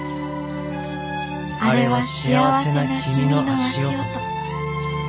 あれは幸せな君の足音。